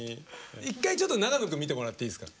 一回ちょっと長野くん見てもらっていいですか？